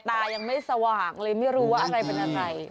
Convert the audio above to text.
ตายังไม่สว่างเลยไม่รู้ว่าอะไรเป็นอะไร